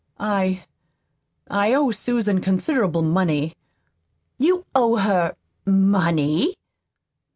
I I owe Susan considerable money." "You owe her MONEY?"